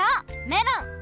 メロン。